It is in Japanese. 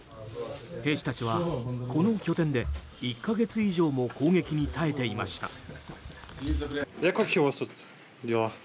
兵士たちはこの拠点で１か月以上も攻撃に耐えていました。